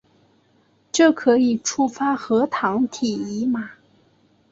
这可以触发核糖体移码。